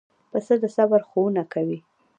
پسه د صبر ښوونه کوي.